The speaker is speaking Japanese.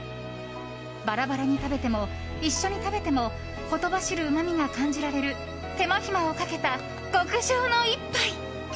バラバラに食べても一緒に食べてもほとばしるうまみが感じられる手間暇をかけた極上の一杯。